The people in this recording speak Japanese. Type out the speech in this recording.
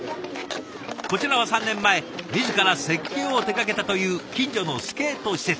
こちらは３年前自ら設計を手がけたという近所のスケート施設。